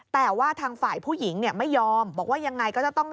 แต่ว่าทางฝ่ายผู้หญิงเนี่ยไม่ยอมบอกว่ายังไงก็จะต้อง